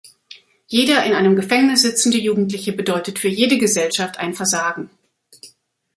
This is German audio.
Jeder in einem Gefängnis sitzende Jugendliche bedeutet für jede Gesellschaft ein Versagen.